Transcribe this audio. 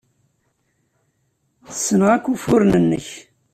Ssneɣ akk ufuren-nnek.